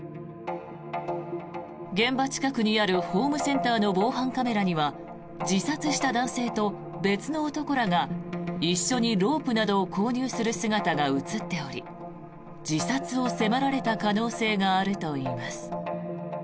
現場近くにあるホームセンターの防犯カメラには自殺した男性と別の男らが一緒にロープなどを購入する姿が映っており自殺を迫られた可能性があるといいます。